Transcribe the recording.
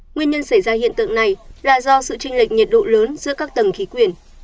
nguyên nhân xảy ra hiện tượng này là do sự tranh lệch nhiệt độ lớn giữa các tầng khí quyển